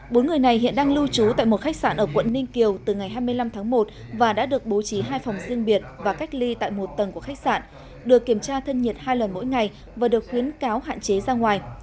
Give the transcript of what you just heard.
bốn người này hiện đang lưu trú tại một khách sạn ở quận ninh kiều từ ngày hai mươi năm tháng một và đã được bố trí hai phòng riêng biệt và cách ly tại một tầng của khách sạn được kiểm tra thân nhiệt hai lần mỗi ngày và được khuyến cáo hạn chế ra ngoài